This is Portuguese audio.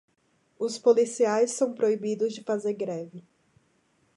Os policiais são proibidos de fazer greve